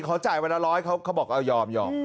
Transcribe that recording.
เขาจ่ายวันละร้อยเขาบอกเอายอมยอม